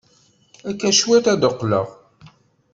Akka cwiṭ ad d-qqleɣ.